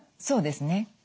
そうですね。